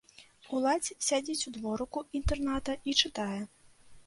Уладзь сядзіць у дворыку інтэрната і чытае.